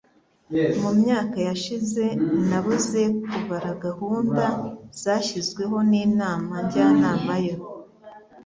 Mu myaka yashize nabuze kubara gahunda zashyizweho ninama njyanama yo